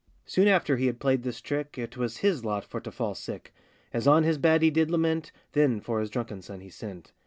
Soon after he had played this trick, It was his lot for to fall sick; As on his bed he did lament, Then for his drunken son he sent.